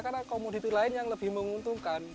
karena komoditi lain yang lebih menguntungkan